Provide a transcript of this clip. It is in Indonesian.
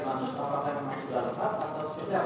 pak pak teman sudah lengkap atau sudah